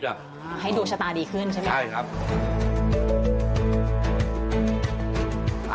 ให้ดวงชะตาดีขึ้นใช่ไหมใช่ครับ